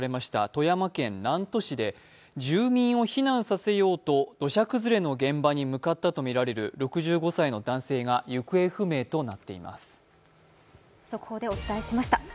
富山県南砺市で、住民を避難させようと土砂崩れの現場に向かったとみられる６５歳の男性が速報でお伝えしました。